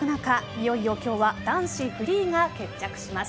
いよいよ今日は男子フリーが決着します。